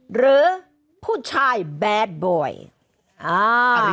หรือผู้ชายแบดบอย